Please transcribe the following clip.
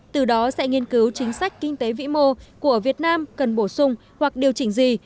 từ đó sẽ nghiên cứu chính sách kinh tế vĩ mô của việt nam cần bổ sung hoặc điều chỉnh gì